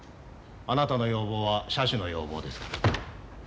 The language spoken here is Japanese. あなたの要望は社主の要望ですから。